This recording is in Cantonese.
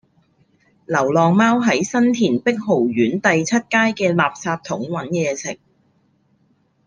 流浪貓喺新田碧豪苑第七街嘅垃圾桶搵野食